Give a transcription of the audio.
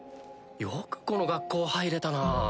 よくこの学校入れたなぁ。